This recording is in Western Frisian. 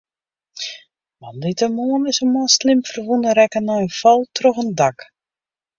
Moandeitemoarn is in man slim ferwûne rekke nei in fal troch in dak.